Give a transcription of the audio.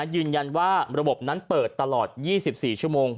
ยืนยันว่าระบบนั้นเปิดตลอด๒๔ชั่วโมง